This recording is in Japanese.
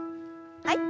はい。